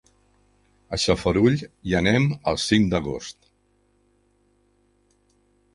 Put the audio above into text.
A Xarafull hi anem el cinc d'agost.